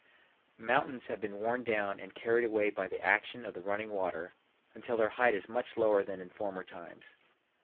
Mountains have been worn down and carried away by the action of the running water until their height is much lower than in former times.